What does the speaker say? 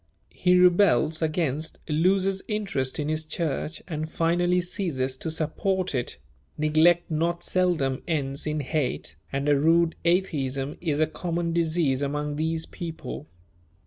He rebels against, loses interest in his church, and finally ceases to support it; neglect not seldom ends in hate, and a rude atheism is a common disease among these people.